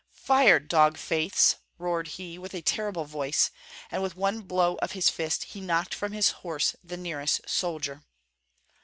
"Fire, dog faiths!" roared he, with a terrible voice; and with one blow of his fist he knocked from his horse the nearest soldier.